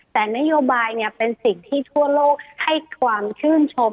แต่นโยบายเป็นสิ่งที่ทั่วโลกให้ความชื่นชม